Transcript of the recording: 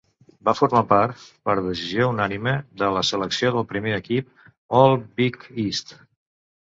Va formar part, per decisió unànime, de la selecció del primer equip All-Big East.